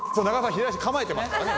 左足構えてますからね。